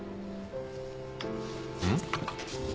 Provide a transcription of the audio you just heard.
うん？